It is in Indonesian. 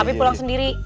tapi pulang sendiri